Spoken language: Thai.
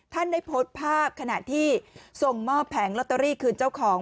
ท่านได้โพสต์ภาพขณะที่ส่งมอบแผงลอตเตอรี่คืนเจ้าของ